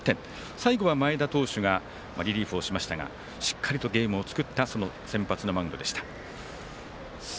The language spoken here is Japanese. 最後は前田投手がリリーフをしましたがしっかりとゲームを作った先発のマウンドでした。